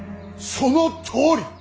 そのとおり！